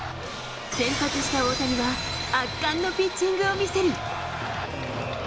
先発した大谷は、圧巻のピッチングを見せる。